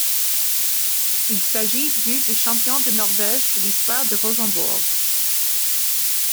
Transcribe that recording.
Il s'agit du de champion de Norvège de l'histoire de Rosenborg.